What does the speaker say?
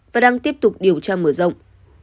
và đang tiếp tục điều tra mở rộng